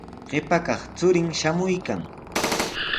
Qipa kaq churin shamuykan.